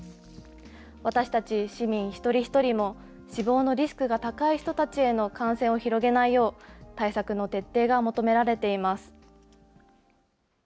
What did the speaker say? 私たち市民一人一人も、死亡のリスクが高い人たちへの感染を広げないよう、対策の徹底が求められています。